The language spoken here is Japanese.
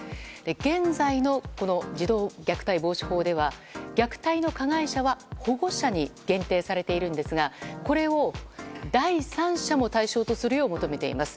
現在の児童虐待防止法では虐待の加害者は保護者に限定されているんですがこれを第三者も対象とするよう求めています。